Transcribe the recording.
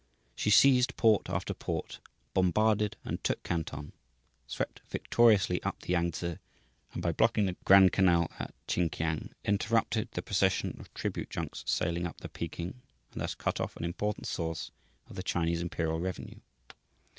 She seized port after port; bombarded and took Canton; swept victoriously up the Yangtse, and by blocking the Grand Canal at Chinkiang interrupted the procession of tribute junks sailing up the Peking and thus cut off an important source of the Chinese imperial revenue.